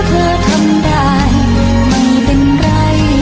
พร้อมเป็นกำลังใจแม้ต้องใช้เวลา